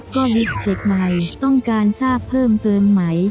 ก็ฮิสเทคใหม่ต้องการทราบเพิ่มเติมไหม